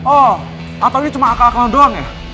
oh atau ini cuma akal akal doang ya